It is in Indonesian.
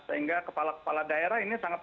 sehingga kepala kepala daerah ini sangat